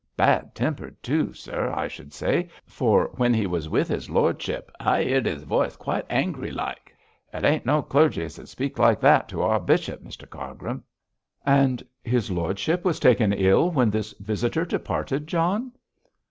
Bad tempered too, sir, I should say, for when he was with his lordship I 'eard his voice quite angry like. It ain't no clergy as 'ud speak like that to our bishop, Mr Cargrim.' 'And his lordship was taken ill when this visitor departed, John?'